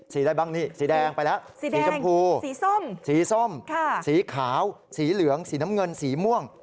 อะไรบ้างนี่สีแดงไปแล้วสีชมพูสีส้มสีส้มสีขาวสีเหลืองสีน้ำเงินสีม่วง